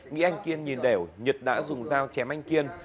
nghĩ anh kiên nhìn đều nhật đã dùng dao chém anh kiên